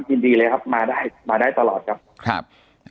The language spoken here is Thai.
ยินดีเลยครับมาได้ตลอดครับ